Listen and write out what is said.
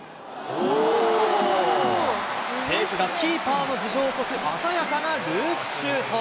清家がキーパーの頭上を越す鮮やかなループシュート。